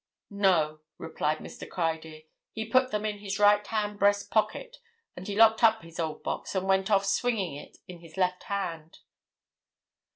"No," replied Mr. Criedir. "He put them in his right hand breast pocket, and he locked up his old box, and went off swinging it in his left hand."